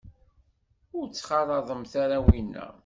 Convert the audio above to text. Ur ttxalaḍemt ara winna.